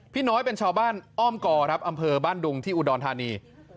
น้อยเป็นชาวบ้านอ้อมกอครับอำเภอบ้านดุงที่อุดรธานี